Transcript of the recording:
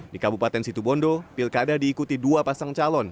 di kabupaten situbondo pilkada diikuti dua pasang calon